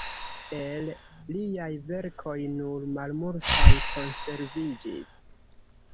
El liaj verkoj nur malmultaj konserviĝis.